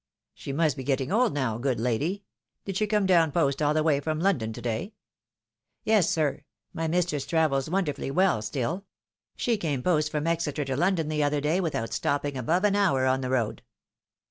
''" She must be getting old now, good lady. Did she come down post all the way from London to day ?"" Yes, sir ; my mistress travels wonderfully well stiU. She came post from Exeter to London the other day, without stop ping above an hour on the road."